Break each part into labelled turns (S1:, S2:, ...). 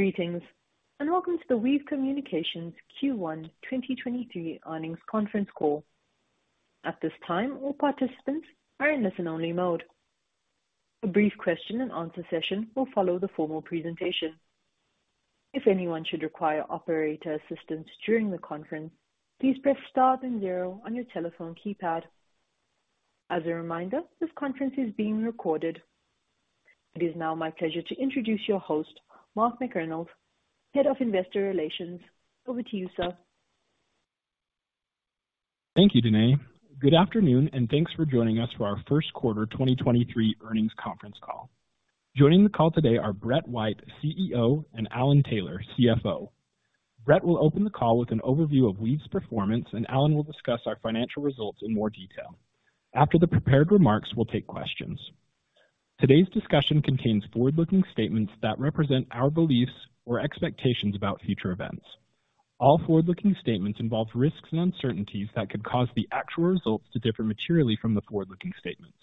S1: Greetings, and welcome to the Weave Communications Q1 2023 earnings conference call. At this time, all participants are in listen-only mode. A brief question- and- answer session will follow the formal presentation. If anyone should require operator assistance during the conference, please press star then zero on your telephone keypad. As a reminder, this conference is being recorded. It is now my pleasure to introduce your host, Mark McReynolds, Head of Investor Relations. Over to you, sir.
S2: Thank you, Danai. Good afternoon, thanks for joining us for our Q1 2023 earnings conference call. Joining the call today are Brett White, CEO, and Alan Taylor, CFO. Brett will open the call with an overview of Weave's performance; Alan will discuss our financial results in more detail. After the prepared remarks, we'll take questions. Today's discussion contains forward-looking statements that represent our beliefs or expectations about future events. All forward-looking statements involve risks and uncertainties that could cause the actual results to differ materially from the forward-looking statements.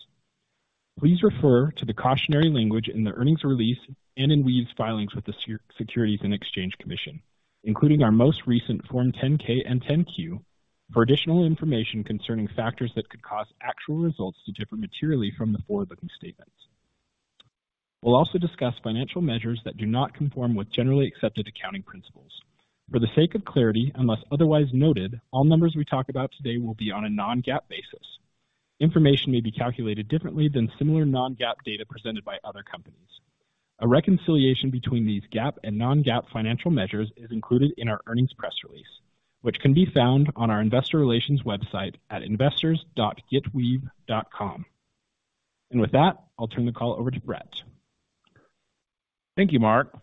S2: Please refer to the cautionary language in the earnings release and in Weave's filings with the Securities and Exchange Commission, including our most recent Form 10-K and 10-Q, for additional information concerning factors that could cause actual results to differ materially from the forward-looking statements. We'll also discuss financial measures that do not conform with generally accepted accounting principles. For the sake of clarity, unless otherwise noted, all numbers we talk about today will be on a non-GAAP basis. Information may be calculated differently than similar non-GAAP data presented by other companies. A reconciliation between these GAAP and non-GAAP financial measures is included in our earnings press release, which can be found on our investor relations website at investors.getweave.com. With that, I'll turn the call over to Brett.
S3: Thank you, Mark McReynolds.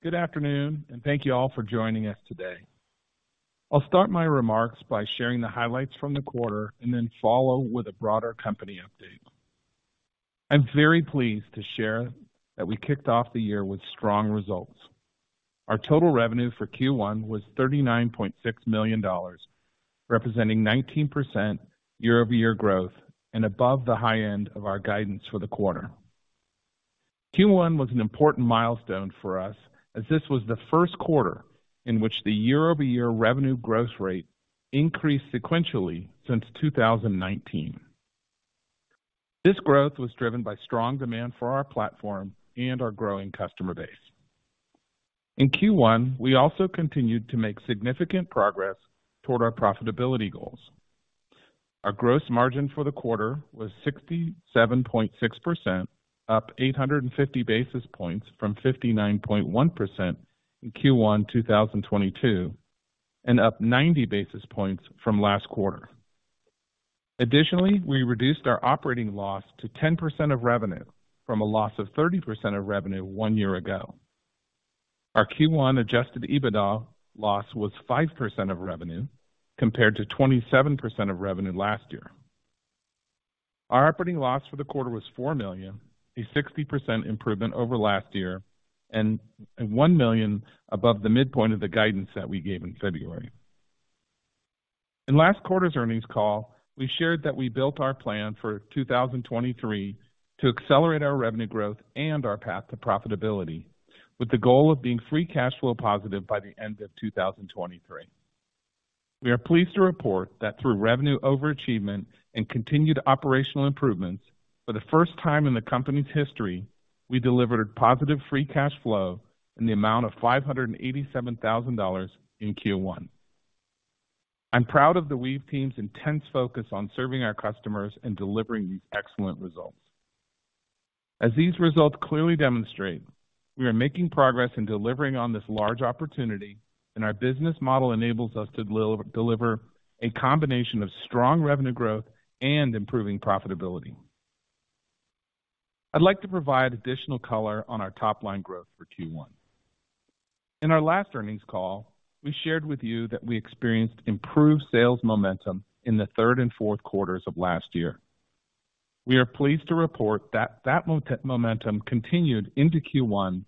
S3: Good afternoon, and thank you all for joining us today. I'll start my remarks by sharing the highlights from the quarter and then follow with a broader company update. I'm very pleased to share that we kicked off the year with strong results. Our total revenue for Q1 was $39.6 million, representing 19% year-over-year growth and above the high end of our guidance for the quarter. Q1 was an important milestone for us as this was the Q1 in which the year-over-year revenue growth rate increased sequentially since 2019. This growth was driven by strong demand for our platform and our growing customer base. In Q1, we also continued to make significant progress toward our profitability goals. Our gross margin for the quarter was 67.6%, up 850 basis points from 59.1% in Q1 2022, and up 90 basis points from last quarter. Additionally, we reduced our operating loss to 10% of revenue from a loss of 30% of revenue one year ago. Our Q1 adjusted EBITDA loss was 5% of revenue, compared to 27% of revenue last year. Our operating loss for the quarter was $4 million, a 60% improvement over last year and $1 million above the midpoint of the guidance that we gave in February. In last quarter's earnings call, we shared that we built our plan for 2023 to accelerate our revenue growth and our path to profitability, with the goal of being free cash flow positive by the end of 2023. We are pleased to report that through revenue overachievement and continued operational improvements, for the first time in the company's history, we delivered positive free cash flow in the amount of $587,000 in Q1. I'm proud of the Weave team's intense focus on serving our customers and delivering these excellent results. As these results clearly demonstrate, we are making progress in delivering on this large opportunity, and our business model enables us to deliver a combination of strong revenue growth and improving profitability. I'd like to provide additional color on our top-line growth for Q1. In our last earnings call, we shared with you that we experienced improved sales momentum in the third and Q4s of last year. We are pleased to report that momentum continued into Q1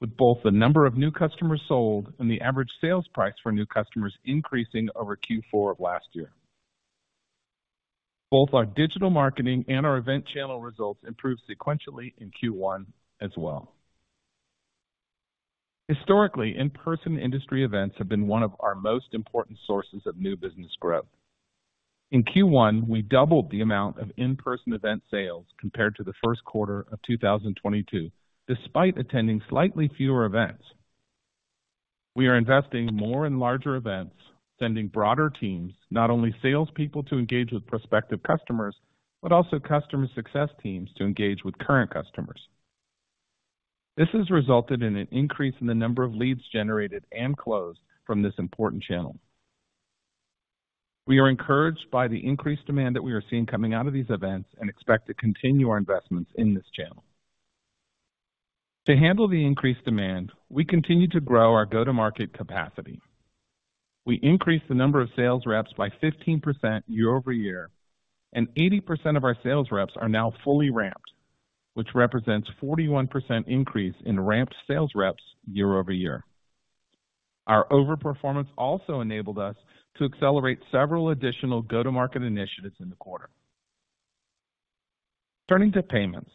S3: with both the number of new customers sold and the average sales price for new customers increasing over Q4 of last year. Both our digital marketing and our event channel results improved sequentially in Q1 as well. Historically, in-person industry events have been one of our most important sources of new business growth. In Q1, we doubled the amount of in-person event sales compared to the Q1 of 2022, despite attending slightly fewer events. We are investing more in larger events, sending broader teams, not only salespeople to engage with prospective customers, but also customer success teams to engage with current customers. This has resulted in an increase in the number of leads generated and closed from this important channel. We are encouraged by the increased demand that we are seeing coming out of these events and expect to continue our investments in this channel. To handle the increased demand, we continue to grow our go-to-market capacity. We increased the number of sales reps by 15% year-over-year, and 80% of our sales reps are now fully ramped, which represents 41% increase in ramped sales reps year-over-year. Our overperformance also enabled us to accelerate several additional go-to-market initiatives in the quarter. Turning to payments.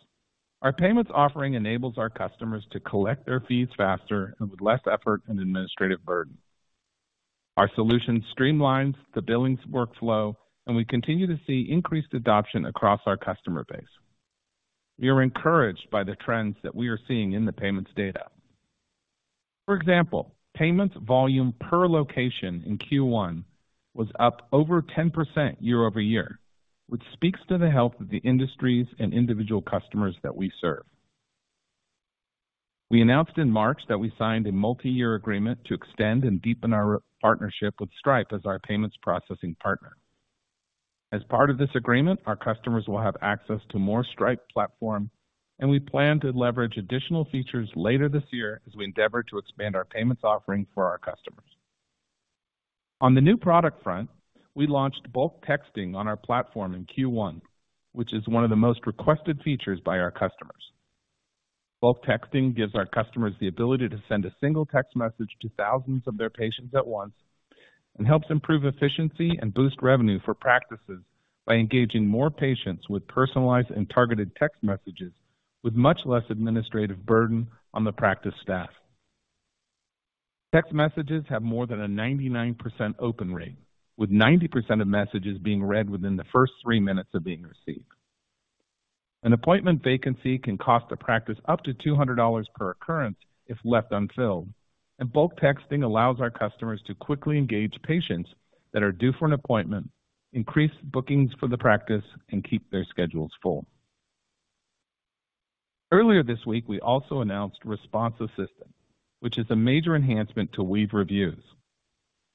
S3: Our payments offering enables our customers to collect their fees faster and with less effort and administrative burden. Our solution streamlines the billings workflow, and we continue to see increased adoption across our customer base. We are encouraged by the trends that we are seeing in the payments data. For example, payments volume per location in Q1 was up over 10% year-over-year, which speaks to the health of the industries and individual customers that we serve. We announced in March that we signed a multi-year agreement to extend and deepen our partnership with Stripe as our payments processing partner. As part of this agreement, our customers will have access to more Stripe platform, and we plan to leverage additional features later this year as we endeavor to expand our payments offering for our customers. On the new product front, we launched bulk texting on our platform in Q1, which is one of the most requested features by our customers. Bulk Texting gives our customers the ability to send a single text message to thousands of their patients at once, and helps improve efficiency and boost revenue for practices by engaging more patients with personalized and targeted text messages with much less administrative burden on the practice staff. Text messages have more than a 99% open rate, with 90% of messages being read within the first three minutes of being received. An appointment vacancy can cost a practice up to $200 per occurrence if left unfilled, and Bulk Texting allows our customers to quickly engage patients that are due for an appointment, increase bookings for the practice, and keep their schedules full. Earlier this week, we also announced Response Assistant, which is a major enhancement to Weave Reviews.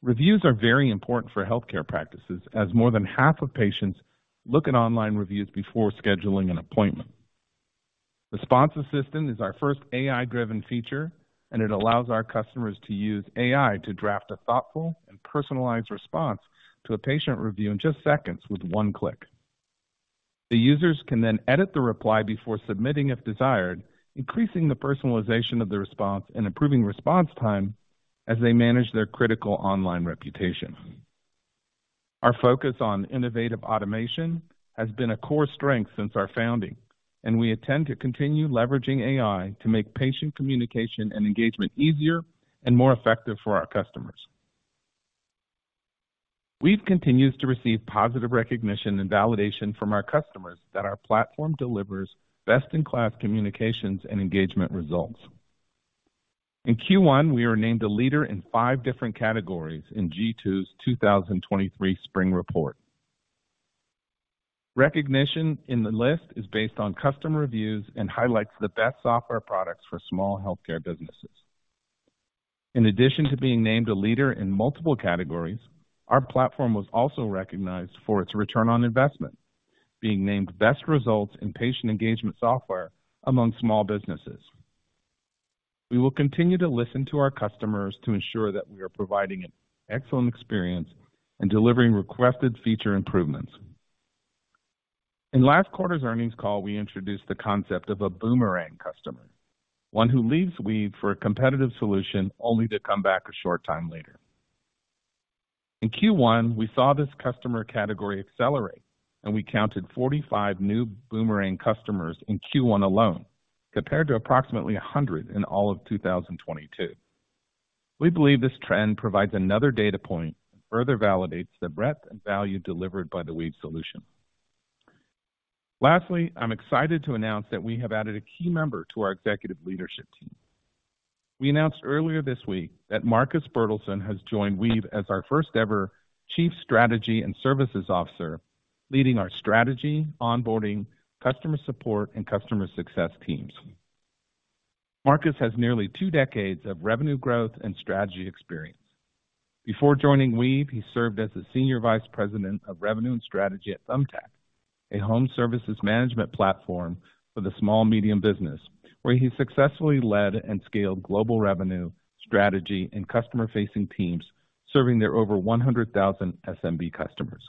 S3: Reviews are very important for healthcare practices as more than half of patients look at online reviews before scheduling an appointment. Response Assistant is our first AI-driven feature, and it allows our customers to use AI to draft a thoughtful and personalized response to a patient review in just seconds with one click. The users can then edit the reply before submitting if desired, increasing the personalization of the response and improving response time as they manage their critical online reputation. Our focus on innovative automation has been a core strength since our founding, and we intend to continue leveraging AI to make patient communication and engagement easier and more effective for our customers. Weave continues to receive positive recognition and validation from our customers that our platform delivers best-in-class communications and engagement results. In Q1, we were named a leader in five different categories in G2's 2023 spring report. Recognition in the list is based on customer reviews and highlights the best software products for small healthcare businesses. In addition to being named a leader in multiple categories, our platform was also recognized for its ROI, being named Best Results in Patient Engagement Software among small businesses. We will continue to listen to our customers to ensure that we are providing an excellent experience in delivering requested feature improvements. In last quarter's earnings call, we introduced the concept of a boomerang customer, one who leaves Weave for a competitive solution only to come back a short time later. In Q1, we saw this customer category accelerate, and we counted 45 new boomerang customers in Q1 alone, compared to approximately 100 in all of 2022. We believe this trend provides another data point and further validates the breadth and value delivered by the Weave solution. Lastly, I'm excited to announce that we have added a key member to our executive leadership team. We announced earlier this week that Marcus Bertilson has joined Weave as our first-ever Chief Strategy and Services Officer, leading our strategy, onboarding, customer support, and customer success teams. Marcus has nearly two decades of revenue growth and strategy experience. Before joining Weave, he served as the Senior Vice President of Revenue and Strategy at Thumbtack, a home services management platform for the small-medium business, where he successfully led and scaled global revenue, strategy, and customer-facing teams serving their over 100,000 SMB customers.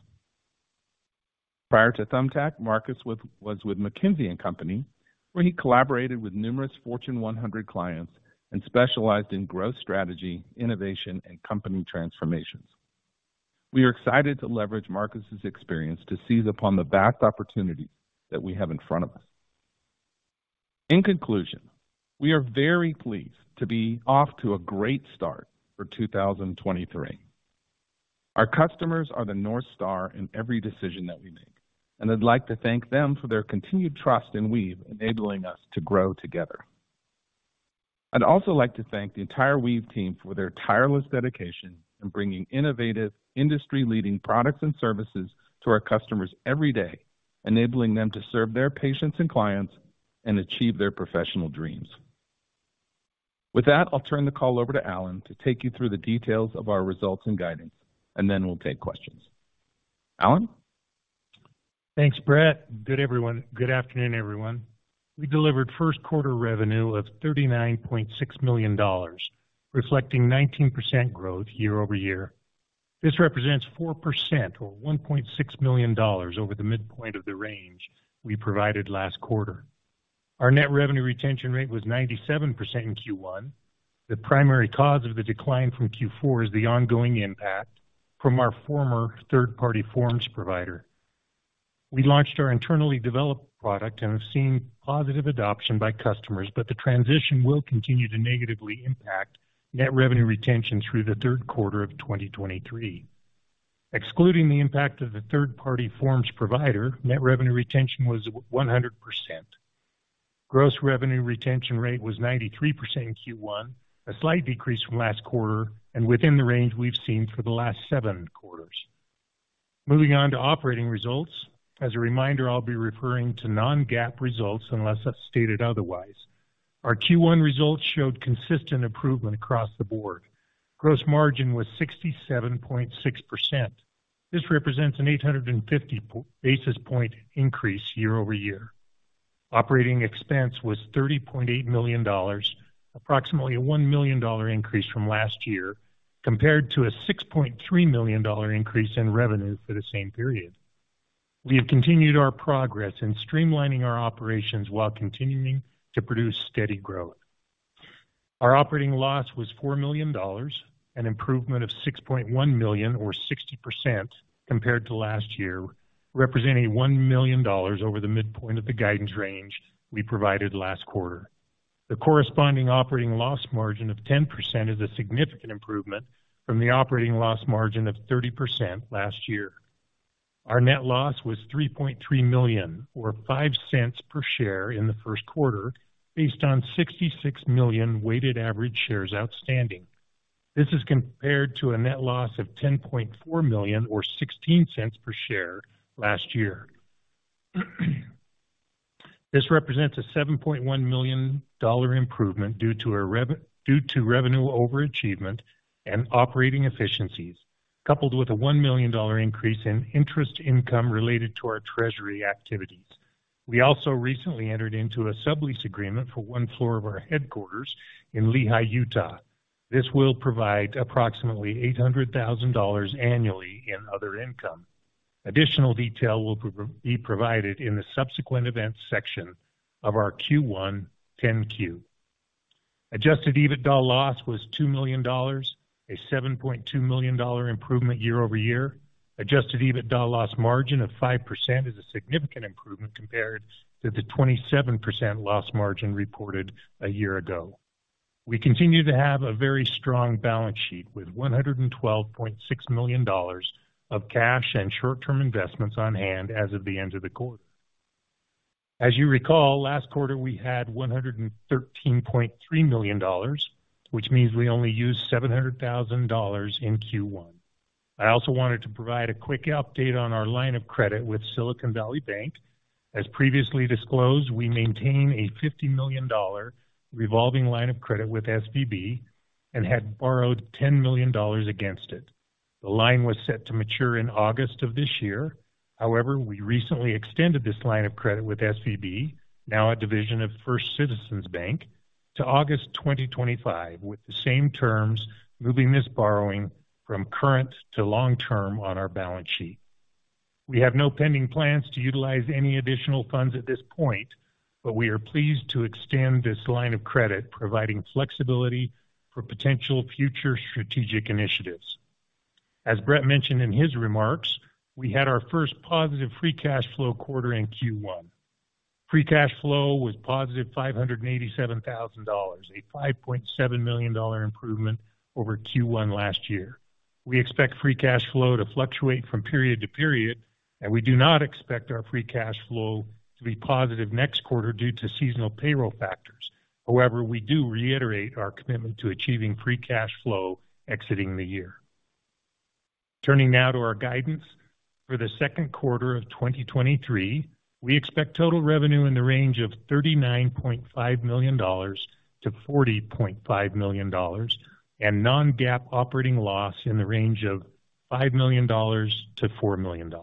S3: Prior to Thumbtack, Marcus was with McKinsey & Company, where he collaborated with numerous Fortune 100 clients and specialized in growth strategy, innovation, and company transformations. We are excited to leverage Marcus's experience to seize upon the vast opportunity that we have in front of us. In conclusion, we are very pleased to be off to a great start for 2023. Our customers are the North Star in every decision that we make, and I'd like to thank them for their continued trust in Weave, enabling us to grow together. I'd also like to thank the entire Weave team for their tireless dedication in bringing innovative, industry-leading products and services to our customers every day, enabling them to serve their patients and clients and achieve their professional dreams. With that, I'll turn the call over to Alan to take you through the details of our results and guidance, and then we'll take questions. Alan?
S4: Thanks, Brett. Good afternoon, everyone. We delivered Q1 revenue of $39.6 million, reflecting 19% growth year-over-year. This represents 4% or $1.6 million over the midpoint of the range we provided last quarter. Our net revenue retention rate was 97% in Q1. The primary cause of the decline from Q4 is the ongoing impact from our former third-party forms provider. We launched our internally developed product and have seen positive adoption by customers, but the transition will continue to negatively impact net revenue retention through the Q3 of 2023. Excluding the impact of the third-party forms provider, net revenue retention was 100%. Gross revenue retention rate was 93% in Q1, a slight decrease from last quarter and within the range we've seen for the last seven quarters. Moving on to operating results. As a reminder, I'll be referring to non-GAAP results unless stated otherwise. Our Q1 results showed consistent improvement across the board. Gross margin was 67.6%. This represents an 850 basis point increase year-over-year. Operating expense was $30.8 million, approximately a $1 million increase from last year compared to a $6.3 million increase in revenue for the same period. We have continued our progress in streamlining our operations while continuing to produce steady growth. Our operating loss was $4 million, an improvement of $6.1 million or 60% compared to last year, representing $1 million over the midpoint of the guidance range we provided last quarter. The corresponding operating loss margin of 10% is a significant improvement from the operating loss margin of 30% last year. Our net loss was $3.3 million or $0.05 per share in the Q1 based on 66 million weighted average shares outstanding. This is compared to a net loss of $10.4 million or $0.16 per share last year. This represents a $7.1 million improvement due to revenue overachievement and operating efficiencies, coupled with a $1 million increase in interest income related to our treasury activities. We also recently entered into a sublease agreement for one floor of our headquarters in Lehi, Utah. This will provide approximately $800,000 annually in other income. Additional detail will be provided in the subsequent events section of our Q1 10-Q. Adjusted EBITDA loss was $2 million, a $7.2 million improvement year-over-year. Adjusted EBITDA loss margin of 5% is a significant improvement compared to the 27% loss margin reported a year ago. We continue to have a very strong balance sheet with $112.6 million of cash and short-term investments on hand as of the end of the quarter. As you recall, last quarter we had $113.3 million, which means we only used $700,000 in Q1. I also wanted to provide a quick update on our line of credit with Silicon Valley Bank. As previously disclosed, we maintain a $50 million revolving line of credit with SVB and had borrowed $10 million against it. The line was set to mature in August of this year. We recently extended this line of credit with SVB, now a division of First Citizens Bank, to August 2025, with the same terms moving this borrowing from current to long-term on our balance sheet. We have no pending plans to utilize any additional funds at this point, we are pleased to extend this line of credit, providing flexibility for potential future strategic initiatives. As Brett mentioned in his remarks, we had our first positive free cash flow quarter in Q1. Free cash flow was positive $587,000, a $5.7 million improvement over Q1 last year. We expect free cash flow to fluctuate from period to period, we do not expect our free cash flow to be positive next quarter due to seasonal payroll factors. We do reiterate our commitment to achieving free cash flow exiting the year. Turning now to our guidance. For the Q2 of 2023, we expect total revenue in the range of $39.5 million-$40.5 million and non-GAAP operating loss in the range of $5 million-$4 million.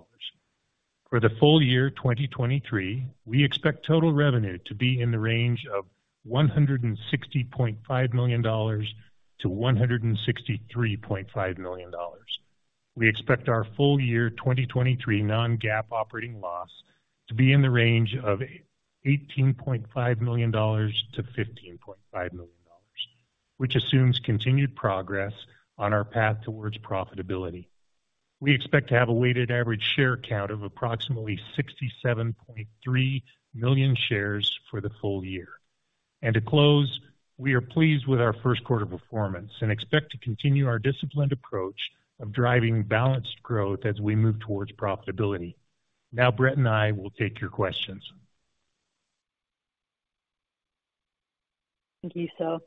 S4: For the full year 2023, we expect total revenue to be in the range of $160.5 million-$163.5 million. We expect our full year 2023 non-GAAP operating loss to be in the range of $18.5 million-$15.5 million, which assumes continued progress on our path towards profitability. We expect to have a weighted average share count of approximately 67.3 million shares for the full year. To close, we are pleased with our Q1 performance and expect to continue our disciplined approach of driving balanced growth as we move towards profitability. Brett and I will take your questions.
S1: Thank you, Phil.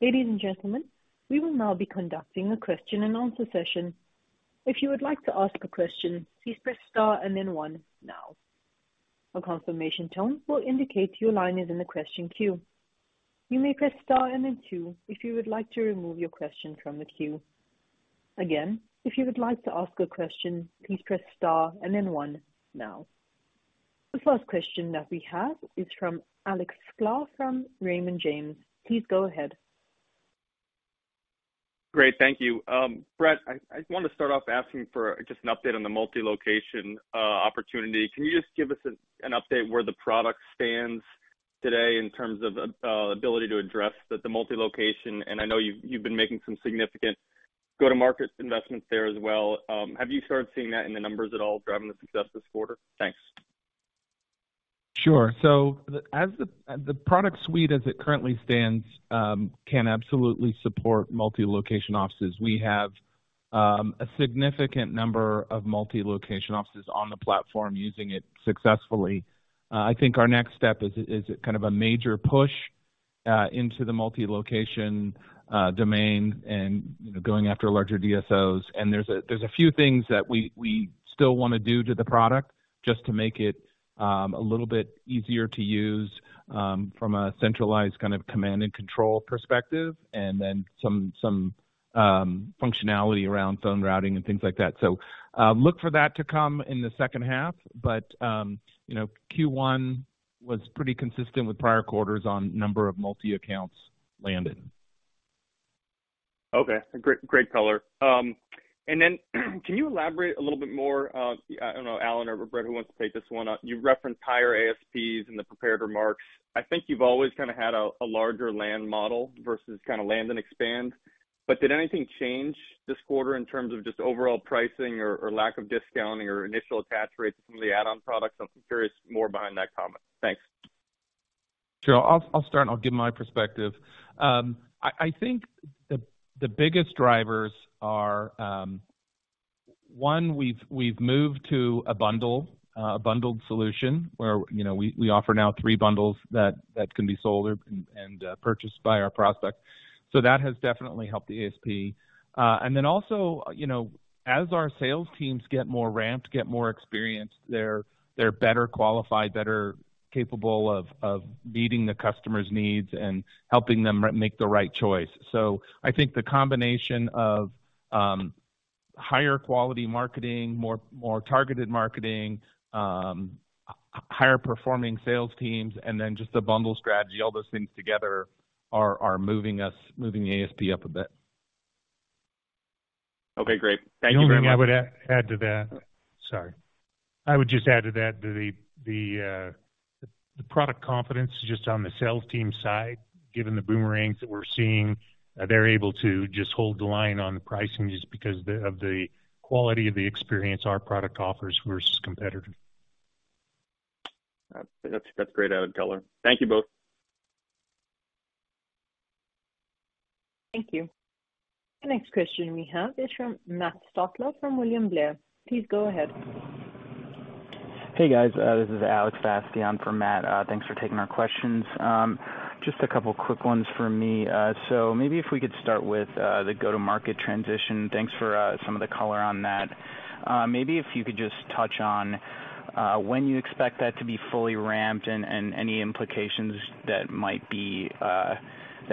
S1: Ladies and gentlemen, we will now be conducting a question and answer session. If you would like to ask a question, please press star and then one now. A confirmation tone will indicate your line is in the question queue. You may press star and then two if you would like to remove your question from the queue. Again, if you would like to ask a question, please press star and then one now. The first question that we have is from Alex Sklar from Raymond James. Please go ahead.
S5: Great. Thank you. Brett, I just want to start off asking for just an update on the multi-location opportunity. Can you just give us an update where the product stands today in terms of ability to address the multi-location? I know you've been making some significant go-to-market investments there as well. Have you started seeing that in the numbers at all driving the success this quarter? Thanks.
S3: Sure. The product suite, as it currently stands, can absolutely support multi-location offices. We have a significant number of multi-location offices on the platform using it successfully. I think our next step is kind of a major push into the multi-location domain and, you know, going after larger DSOs. There's a few things that we still want to do to the product just to make it a little bit easier to use from a centralized kind of command and control perspective, and then some functionality around phone routing and things like that. Look for that to come in the second half. You know, Q1 was pretty consistent with prior quarters on number of multi accounts landed.
S5: Okay. Great, great color. Then can you elaborate a little bit more, I don't know, Alan or Brett, who wants to take this one on? You referenced higher ASPs in the prepared remarks. I think you've always kinda had a larger land model versus kinda land and expand. Did anything change this quarter in terms of just overall pricing or lack of discounting or initial attach rates to some of the add-on products? I'm curious more behind that comment. Thanks.
S3: Sure. I'll start, and I'll give my perspective. I think the biggest drivers are one, we've moved to a bundle, a bundled solution where, you know, we offer now three bundles that can be sold and purchased by our prospects. That has definitely helped the ASP. And then also, you know, as our sales teams get more ramped, get more experienced, they're better qualified, better capable of meeting the customer's needs and helping them make the right choice. I think the combination of higher quality marketing, more targeted marketing, higher performing sales teams, and then just the bundle strategy, all those things together are moving us, moving the ASP up a bit.
S5: Okay, great. Thank you very much.
S4: I would just add to that the product confidence just on the sales team side, given the boomerangs that we're seeing, they're able to just hold the line on the pricing just because of the quality of the experience our product offers versus competitive.
S5: That's a great added color. Thank you both.
S1: Thank you. The next question we have is from Matt Stotler from William Blair. Please go ahead.
S6: Hey, guys. This is Alex Bastian for Matt. Thanks for taking our questions. Just a couple quick ones for me. Maybe if we could start with the go-to-market transition. Thanks for some of the color on that. Maybe if you could just touch on when you expect that to be fully ramped and any implications that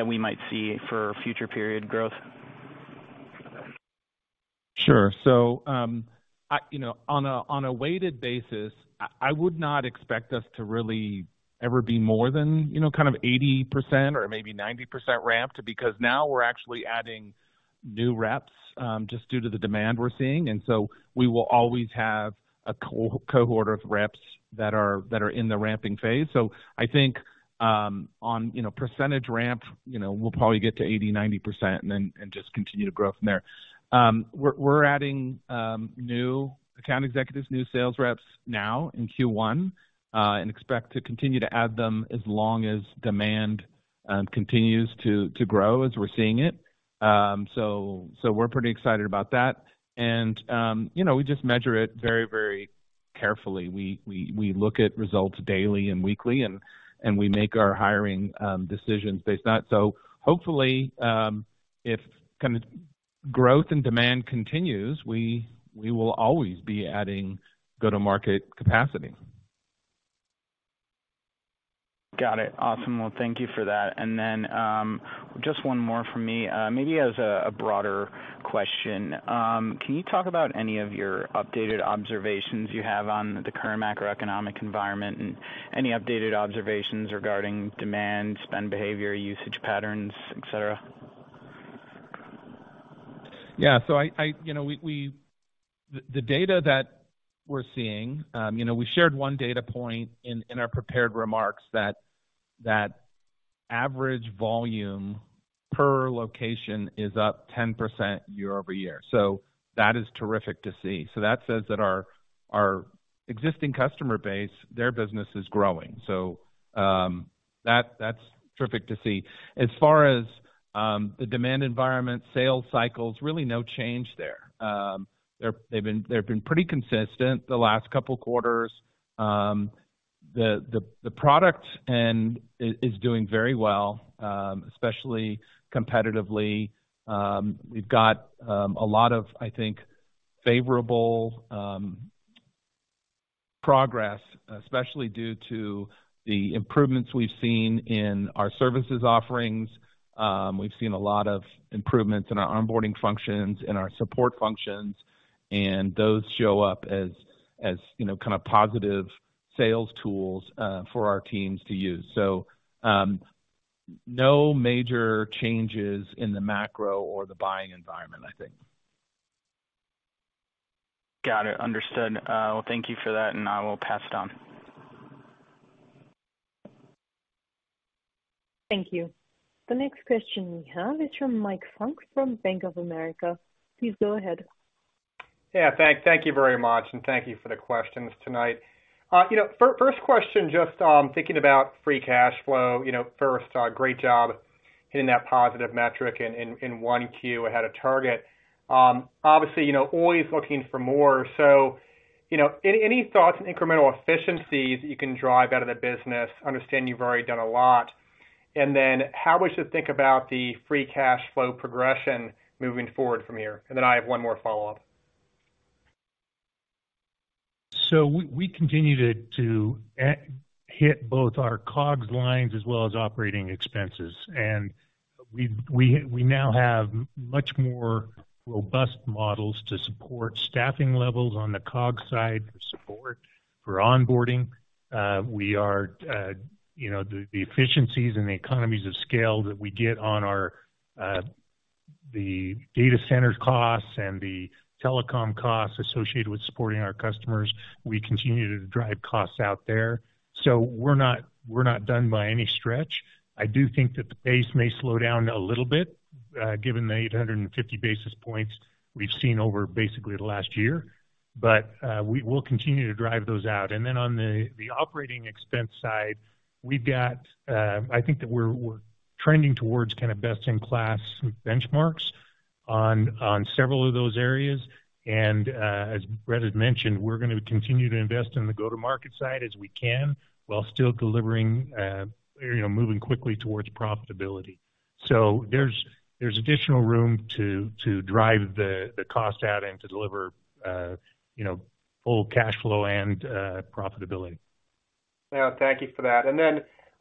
S6: we might see for future period growth.
S3: Sure. You know, on a weighted basis, I would not expect us to really ever be more than, you know, kind of 80% or maybe 90% ramped, because now we're actually adding new reps, just due to the demand we're seeing. We will always have a co-cohort of reps that are in the ramping phase. I think, on, you know, percentage ramp, you know, we'll probably get to 80%, 90% and just continue to grow from there. We're adding new account executives, new sales reps now in Q1, and expect to continue to add them as long as demand continues to grow as we're seeing it. So we're pretty excited about that. You know, we just measure it very carefully. We look at results daily and weekly, and we make our hiring decisions based on it. Hopefully, if kind of growth and demand continues, we will always be adding go-to-market capacity.
S6: Got it. Awesome. Well, thank you for that. Just one more from me, maybe as a broader question. Can you talk about any of your updated observations you have on the current macroeconomic environment and any updated observations regarding demand, spend behavior, usage patterns, et cetera?
S3: Yeah. The data that we're seeing, you know, we shared one data point in our prepared remarks that average volume per location is up 10% year-over-year. That is terrific to see. That says that our existing customer base, their business is growing. That's terrific to see. As far as the demand environment, sales cycles, really no change there. They've been pretty consistent the last couple quarters. The product is doing very well, especially competitively. We've got a lot of, I think, favorable progress, especially due to the improvements we've seen in our services offerings. We've seen a lot of improvements in our onboarding functions and our support functions.
S4: Those show up as, you know, kind of positive sales tools for our teams to use. No major changes in the macro or the buying environment, I think.
S6: Got it. Understood. Thank you for that, and I will pass it on.
S1: Thank you. The next question we have is from Mike Funk from Bank of America. Please go ahead.
S7: Yeah. Thank you very much. Thank you for the questions tonight. You know, first question, just, thinking about free cash flow, you know, first, great job hitting that positive metric in 1Q ahead of target. Obviously, you know, always looking for more. You know, any thoughts on incremental efficiencies you can drive out of the business? Understand you've already done a lot. How we should think about the free cash flow progression moving forward from here? I have one more follow-up.
S4: We continue to hit both our COGS lines as well as operating expenses. We now have much more robust models to support staffing levels on the COGS side for support, for onboarding. We are, you know, the efficiencies and the economies of scale that we get on our data center costs and the telecom costs associated with supporting our customers, we continue to drive costs out there. We're not done by any stretch. I do think that the pace may slow down a little bit, given the 850 basis points we've seen over basically the last year. We will continue to drive those out. On the operating expense side, we've got, I think that we're trending towards kind of best in class benchmarks on several of those areas. As Brett had mentioned, we're gonna continue to invest in the go-to-market side as we can while still delivering, you know, moving quickly towards profitability. There's additional room to drive the cost out and to deliver, you know, full cash flow and profitability.
S7: Yeah. Thank you for that.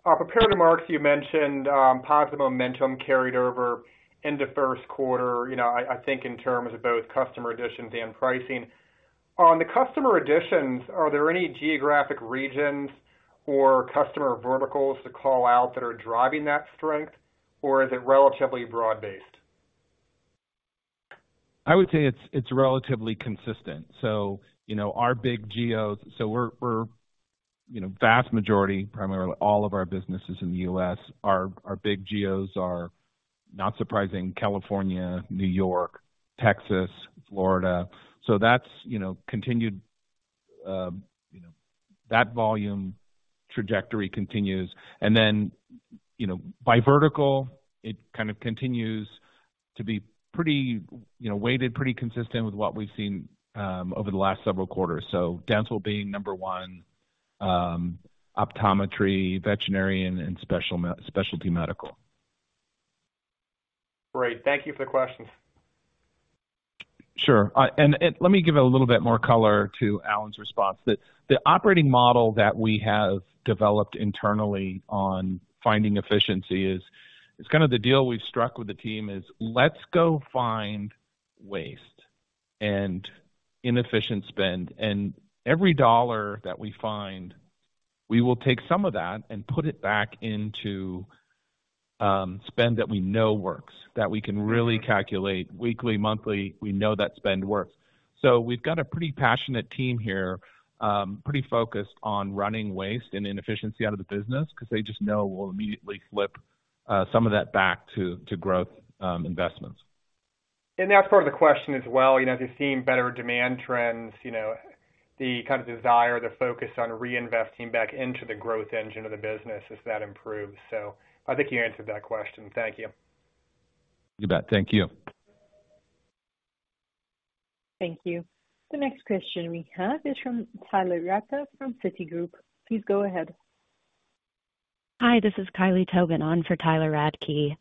S7: Our prepared remarks, you mentioned, positive momentum carried over into Q1, you know, I think in terms of both customer additions and pricing. On the customer additions, are there any geographic regions or customer verticals to call out that are driving that strength, or is it relatively broad-based?
S4: I would say it's relatively consistent. You know, our big geos. We're, we're, you know, vast majority, primarily all of our business is in the U.S. Our, our big geos are, not surprising, California, New York, Texas, Florida. That's, you know, continued, you know, that volume trajectory continues. Then, you know, by vertical, it kind of continues to be pretty, you know, weighted pretty consistent with what we've seen, over the last several quarters. Dental being number one, optometry, veterinarian and specialty medical.
S7: Great. Thank you for the questions.
S4: Sure. And let me give a little bit more color to Alan's response. The operating model that we have developed internally on finding efficiency is it's kind of the deal we've struck with the team is let's go find waste and inefficient spend, and every dollar that we find, we will take some of that and put it back into spend that we know works, that we can really calculate weekly, monthly, we know that spend works. We've got a pretty passionate team here, pretty focused on running waste and inefficiency out of the business because they just know we'll immediately flip some of that back to growth investments.
S7: That's part of the question as well. You know, as you're seeing better demand trends, you know, the kind of desire, the focus on reinvesting back into the growth engine of the business as that improves. I think you answered that question. Thank you.
S4: You bet. Thank you.
S1: Thank you. The next question we have is from Tyler Radke from Citigroup. Please go ahead.
S8: Hi, this is Kylie Tobin on for Tyler Radke.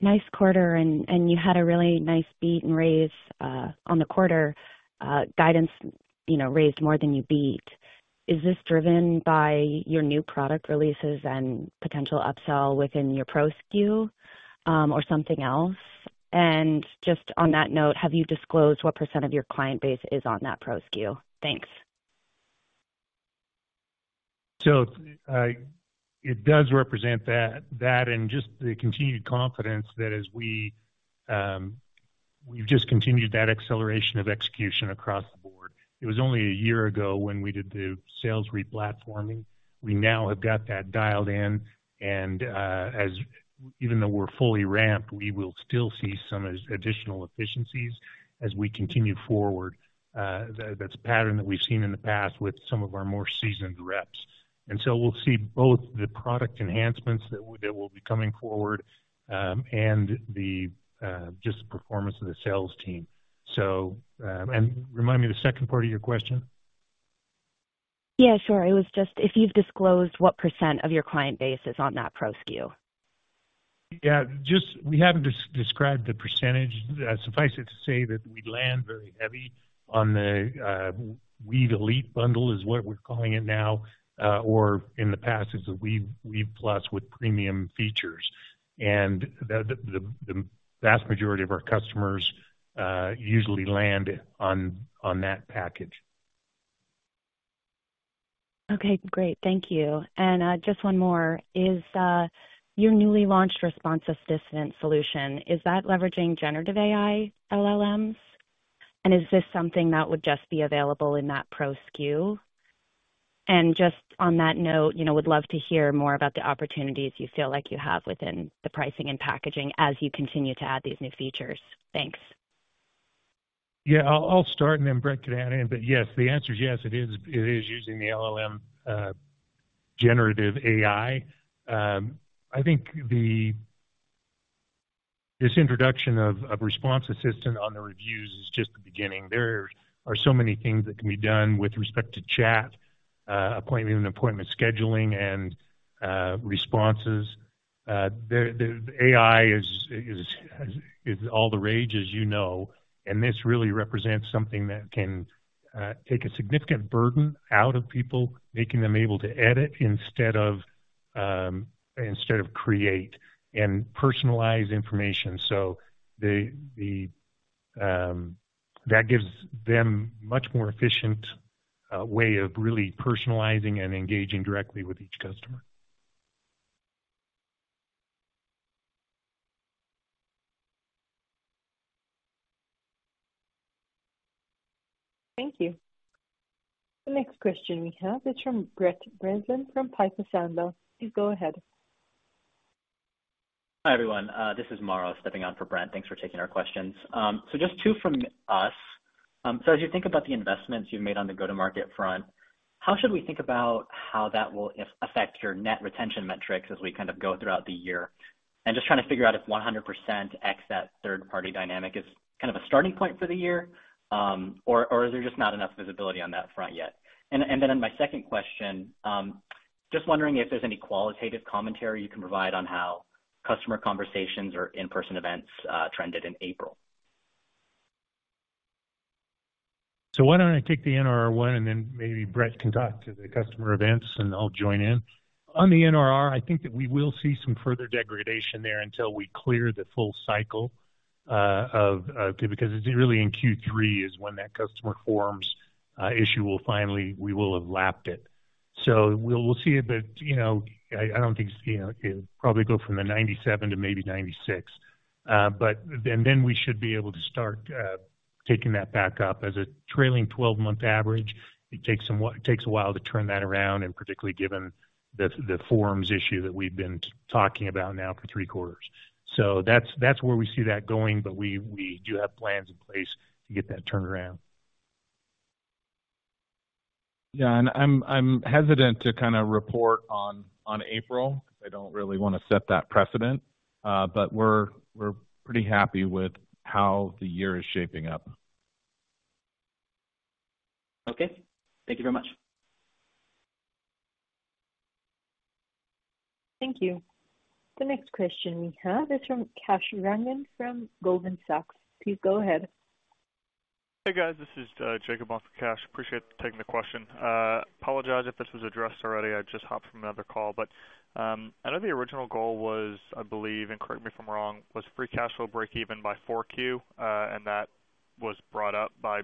S8: Nice quarter, and you had a really nice beat and raise on the quarter. Guidance, you know, raised more than you beat. Is this driven by your new product releases and potential upsell within your Pro SKU or something else? Just on that note, have you disclosed what % of your client base is on that Pro SKU? Thanks.
S4: It does represent that and just the continued confidence that as we've just continued that acceleration of execution across the board. It was only a year ago when we did the sales replatforming. We now have got that dialed in and even though we're fully ramped, we will still see some additional efficiencies as we continue forward. That's a pattern that we've seen in the past with some of our more seasoned reps. We'll see both the product enhancements that will be coming forward and the just performance of the sales team. Remind me the second part of your question.
S8: Yeah, sure. It was just if you've disclosed what % of your client base is on that Pro SKU.
S4: Yeah. Just we haven't described the percentage. Suffice it to say that we land very heavy on the Weave Elite bundle is what we're calling it now, or in the past it's a Weave Plus with premium features. The vast majority of our customers usually land on that package.
S8: Okay, great. Thank you. Just one more. Is your newly launched Response Assistant solution, is that leveraging generative AI LLMs? Is this something that would just be available in that Pro SKU? Just on that note, you know, would love to hear more about the opportunities you feel like you have within the pricing and packaging as you continue to add these new features. Thanks.
S4: I'll start and then Brett can add in, but yes, the answer is yes, it is using the LLM generative AI. I think the introduction of Response Assistant on the reviews is just the beginning. There are so many things that can be done with respect to chat, appointment and appointment scheduling and responses. The AI is all the rage, as you know, and this really represents something that can take a significant burden out of people, making them able to edit instead of create and personalize information. That gives them much more efficient way of really personalizing and engaging directly with each customer.
S1: Thank you. The next question we have is from Brett Bracelin from Piper Sandler. Please go ahead.
S9: Hi, everyone. This is Mauro stepping on for Brent. Thanks for taking our questions. Just two from us. As you think about the investments you've made on the go-to-market front, how should we think about how that will affect your net retention metrics as we kind of go throughout the year? Just trying to figure out if 100% X that third-party dynamic is kind of a starting point for the year, or is there just not enough visibility on that front yet? Then my second question, just wondering if there's any qualitative commentary you can provide on how customer conversations or in-person events trended in April.
S4: Why don't I take the NRR one, and then maybe Brett can talk to the customer events, and I'll join in. On the NRR, I think that we will see some further degradation there until we clear the full cycle. It's really in Q3 is when that customer forms issue will finally we will have lapped it. We'll see it, but, you know, I don't think it's, you know, it'll probably go from the 97% to maybe 96%. Then we should be able to start taking that back up. As a trailing 12-month average, it takes a while to turn that around, and particularly given the forms issue that we've been talking about now for three quarters. That's where we see that going. We do have plans in place to get that turned around.
S10: Yeah. I'm hesitant to kind of report on April. I don't really want to set that precedent. We're pretty happy with how the year is shaping up.
S9: Okay. Thank you very much.
S1: Thank you. The next question we have is from Kash Rangan from Goldman Sachs. Please go ahead.
S11: Hey, guys, this is Jacob on for Kash. Appreciate you taking the question. Apologize if this was addressed already. I just hopped from another call. I know the original goal was, I believe, and correct me if I'm wrong, was free cash flow breakeven by 4Q, and that was brought up by,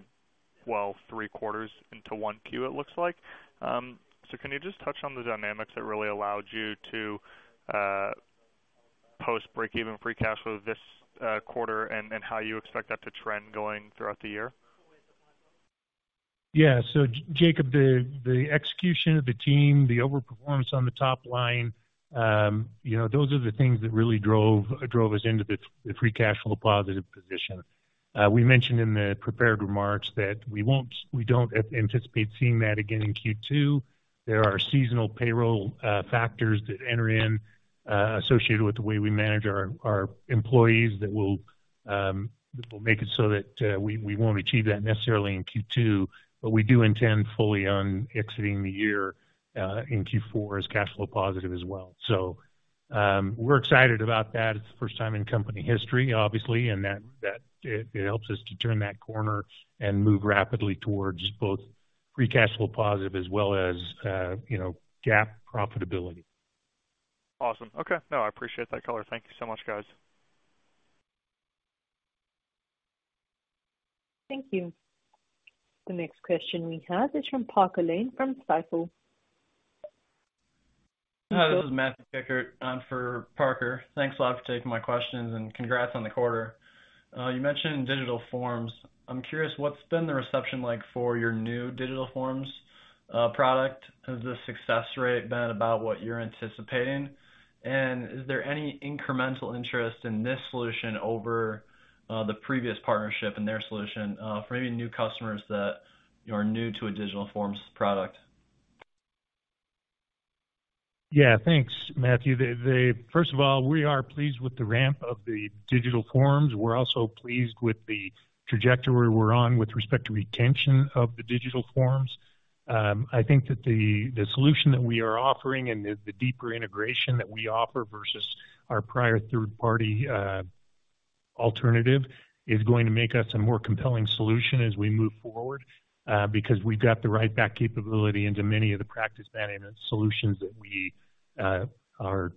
S11: well, three quarters into 1Q, it looks like. Can you just touch on the dynamics that really allowed you to post breakeven free cash flow this quarter and how you expect that to trend going throughout the year?
S4: Jacob, the execution of the team, the overperformance on the top line, you know, those are the things that really drove us into the free cash flow positive position. We mentioned in the prepared remarks that we don't anticipate seeing that again in Q2. There are seasonal payroll factors that enter in associated with the way we manage our employees that will that will make it so that we won't achieve that necessarily in Q2, but we do intend fully on exiting the year in Q4 as cash flow positive as well. We're excited about that. It's the first time in company history, obviously, and that it helps us to turn that corner and move rapidly towards both free cash flow positive as well as, you know, GAAP profitability.
S11: Awesome. Okay. No, I appreciate that color. Thank you so much, guys.
S1: Thank you. The next question we have is from Parker Lane from Stifel.
S12: Hi, this is Matthew Pickert on for Parker. Thanks a lot for taking my questions, and congrats on the quarter. You mentioned Digital Forms. I'm curious, what's been the reception like for your new Digital Forms product? Has the success rate been about what you're anticipating? Is there any incremental interest in this solution over the previous partnership and their solution for any new customers that are new to a Digital Forms product?
S4: Yeah. Thanks, Matthew. First of all, we are pleased with the ramp of the Digital Forms. We're also pleased with the trajectory we're on with respect to retention of the Digital Forms. I think that the solution that we are offering and the deeper integration that we offer versus our prior third-party partner alternative is going to make us a more compelling solution as we move forward because we've got the write back capability into many of the practice management solutions that we are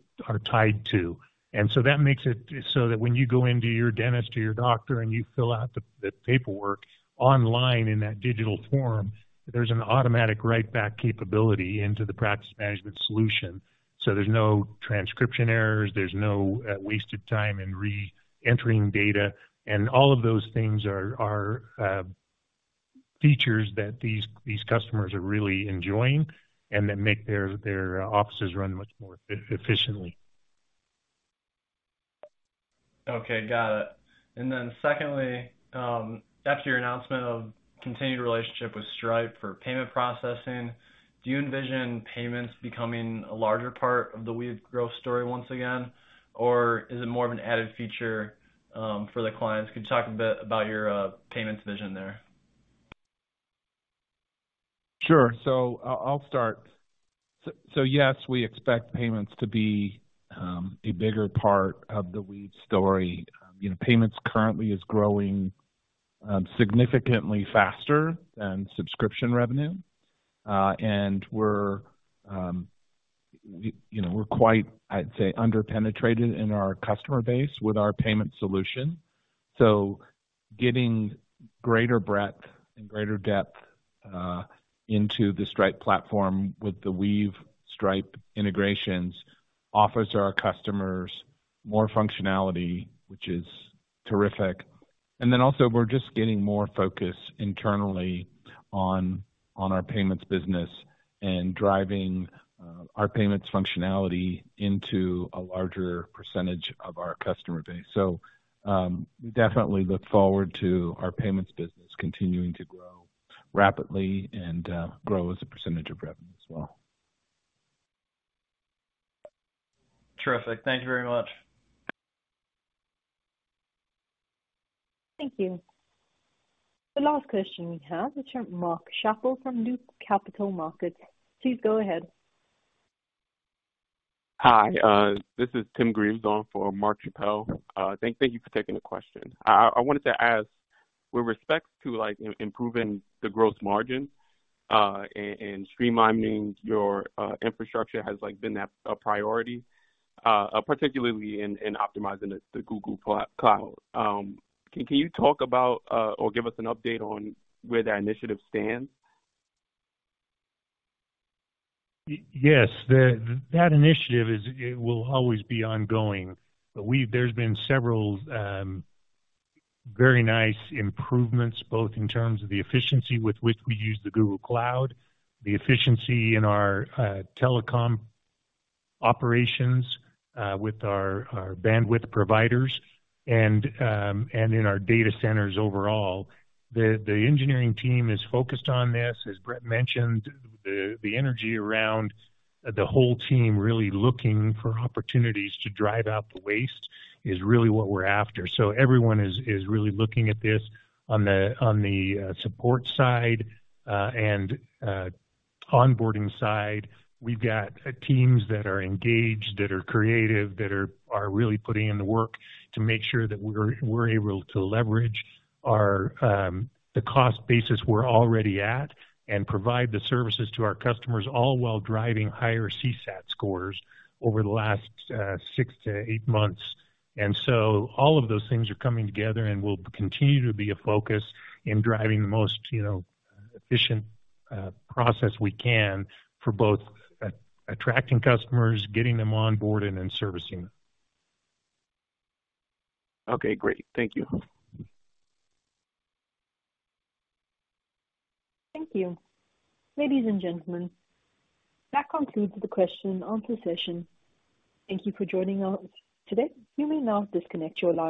S4: tied to. That makes it so that when you go into your dentist or your doctor and you fill out the paperwork online in that Digital Form, there's an automatic write back capability into the practice management solution. There are no transcription errors, there's no wasted time in re-entering data. All of those things are features that these customers are really enjoying and that make their offices run much more efficiently.
S12: Okay, got it. Secondly, after your announcement of continued relationship with Stripe for payment processing, do you envision payments becoming a larger part of the Weave growth story once again? Is it more of an added feature for the clients? Could you talk a bit about your payments vision there?
S3: Sure. I'll start. Yes, we expect payments to be a bigger part of the Weave story. You know, payments currently are growing significantly faster than subscription revenue. And we're, you know, we're quiet, I'd say, under-penetrated in our customer base with our payment solution. Getting greater breadth and greater depth into the Stripe platform with the Weave Stripe integrations offers our customers more functionality, which is terrific. Also, we're just getting more focus internally on our payments business and driving our payments functionality into a larger percentage of our customer base. We definitely look forward to our payments business continuing to grow rapidly and grow as a percentage of revenue as well.
S12: Terrific. Thank you very much.
S1: Thank you. The last question we have is from Mark Schappell from Loop Capital Markets. Please go ahead.
S13: Hi, this is Tim Grieser for Mark Schappell. thank you for taking the question. I wanted to ask with respect to, like, improving the gross margin and streamlining your infrastructure has, like, been a priority, particularly in optimizing the Google Cloud. can you talk about or give us an update on where that initiative stands?
S4: Yes. That initiative will always be ongoing. There's been several very nice improvements, both in terms of the efficiency with which we use the Google Cloud, the efficiency in our telecom operations, with our bandwidth providers and in our data centers overall. The engineering team is focused on this. As Brett mentioned, the energy around the whole team really looking for opportunities to drive out the waste is really what we're after. Everyone is really looking at this on the support side and onboarding side. We've got teams that are engaged, that are creative, that are really putting in the work to make sure that we're able to leverage the cost basis we're already at and provide the services to our customers, all while driving higher CSAT scores over the last six to eight months. All of those things are coming together and will continue to be a focus in driving the most, you know, efficient process we can for both attracting customers, getting them onboarded and servicing them.
S13: Okay, great. Thank you.
S1: Thank you. Ladies and gentlemen, that concludes the question-and-answer session. Thank you for joining us today. You may now disconnect your lines.